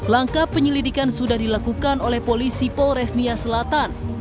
langkah penyelidikan sudah dilakukan oleh polisi polres nia selatan